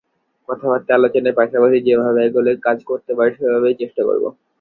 কথাবার্তা, আলোচনার পাশাপাশি যেভাবে এগোলে কাজ হতে পারে, সেভাবেই চেষ্টা করব।